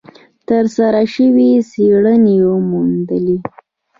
ترسره شوې څېړنې وموندلې،